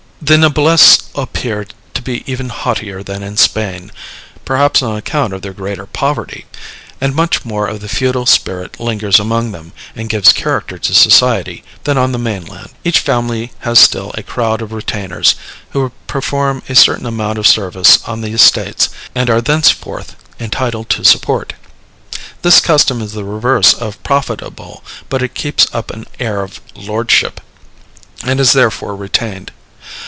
The noblesse appear to be even haughtier than in Spain, perhaps on account of their greater poverty; and much more of the feudal spirit lingers among them, and gives character to society, than on the main land. Each family has still a crowd of retainers, who perform a certain amount of service on the estates, and are thenceforth entitled to support. This custom is the reverse of profitable; but it keeps up an air of lordship, and is therefore retained.